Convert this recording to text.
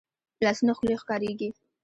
لاسونه ښکلې ښکارېږي